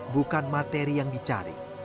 bukan materi yang dicari